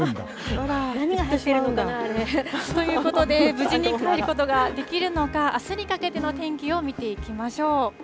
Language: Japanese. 何が入ってるんだろうね。ということで無事に帰ることができるのか、あすにかけての天気を見ていきましょう。